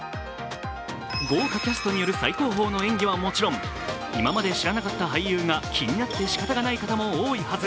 豪華キャストによる最高峰の演技はもちろん今まで知らなかった俳優が気になってしかたがない人も多いはず。